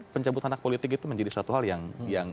pencabut anak politik itu menjadi satu hal yang